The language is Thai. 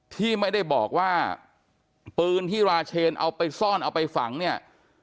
ที่ไม่ได้บอกว่าปืนที่ราเชนเอาไปซ่อนเอาไปฝังเนี่ย